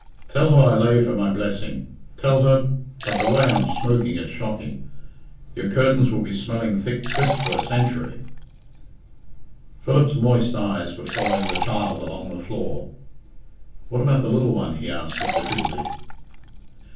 "Tell her I lave her my blessing. Tell her but the way I'm smooking, it's shocking. Your curtains will be smelling thick twist for a century." Philip's moist eyes were following the child along the floor. "What about the little one?" he asked with difficulty.